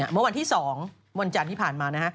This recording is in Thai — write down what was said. เมื่อวันที่๒วันจันทร์ที่ผ่านมา